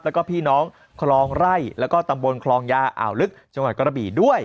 แล้วก็พี่น้องคลองไร่แล้วก็ตำบลคลองยาอ่าวลึกจังหวัดกระบี่ด้วย